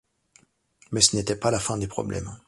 Mais ce n'était pas la fin des problèmes.